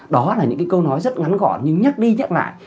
đó là những câu nói rất ngắn gõn nhưng nhắc đi nhắc lại